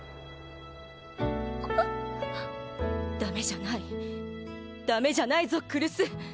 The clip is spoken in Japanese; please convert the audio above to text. ダメじゃないダメじゃないぞ来栖！